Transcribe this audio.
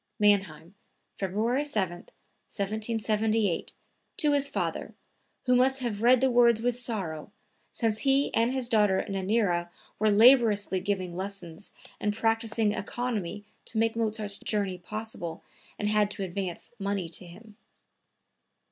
(Mannheim, February 7, 1778, to his father, who must have read the words with sorrow, since he and his daughter Nannerl were laboriously giving lessons and practicing economy to make Mozart's journey possible and had to advance money to him.)